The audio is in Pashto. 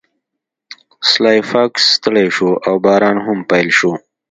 سلای فاکس ستړی شو او باران هم پیل شو